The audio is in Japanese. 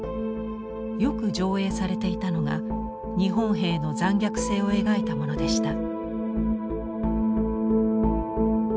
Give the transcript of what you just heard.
よく上映されていたのが日本兵の残虐性を描いたものでした。